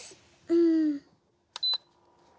うん。